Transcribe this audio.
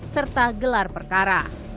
serta gelar perkara